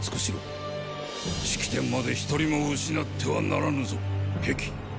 式典まで一人も失ってはならぬぞ壁！